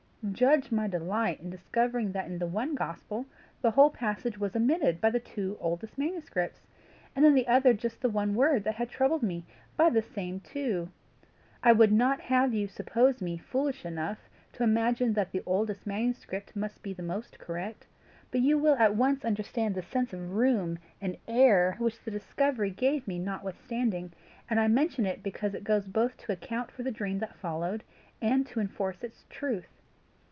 Judge my delight in discovering that in the one gospel the whole passage was omitted by the two oldest manuscripts, and in the other just the one word that had troubled me, by the same two. I would not have you suppose me foolish enough to imagine that the oldest manuscript must be the most correct; but you will at once understand the sense of room and air which the discovery gave me notwithstanding, and I mention it because it goes both to account for the dream that followed and to enforce its truth.